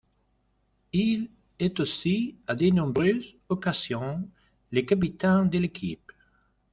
Il est aussi à de nombreuses occasions le capitaine de l'équipe.